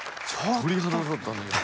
鳥肌立ったんだけど。